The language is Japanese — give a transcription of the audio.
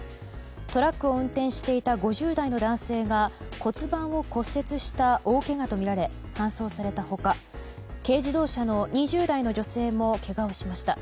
トラックを運転していた５０代の男性が骨盤を骨折した大けがとみられ搬送された他軽自動車の２０代の女性もけがをしました。